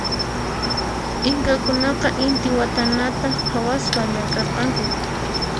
Inkakunaqa intiwatanata khawaspa llamk'arqanku.